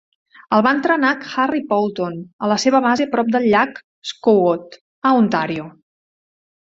El va entrenar Harry Poulton a la seva base prop del llac Scugog, a Ontario.